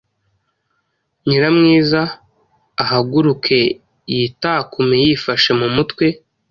Nyiramwiza: Ahaguruke yitakume yifashe mu mutwe